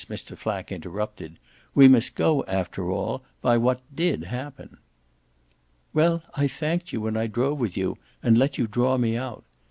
Mr. Flack interrupted. "We must go, after all, by what DID happen." "Well, I thanked you when I drove with you and let you draw me out.